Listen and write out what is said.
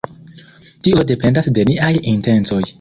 Tio dependas de niaj intencoj.